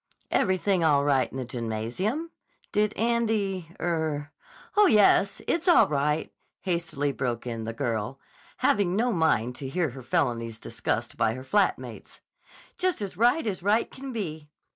"Everything all right in the gymnasium? Did Andy—er—" "Oh, yes. It's all right," hastily broke in the girl, having no mind to hear her felonies discussed by her flat mates. "Just as right as right can be."